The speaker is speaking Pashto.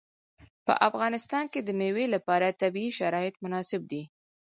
په افغانستان کې د مېوې لپاره طبیعي شرایط مناسب دي.